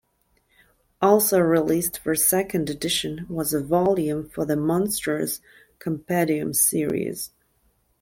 Also released for second edition was a volume for the "Monstrous Compendium" series.